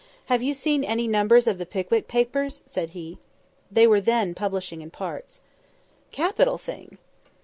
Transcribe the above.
"Have you seen any numbers of 'The Pickwick Papers'?" said he. (They were then publishing in parts.) "Capital thing!"